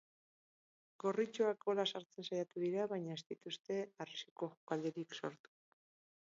Gorritxoak gola egiten saiatu dira, baina ez dituzte arriskuko jokaldirik sortu.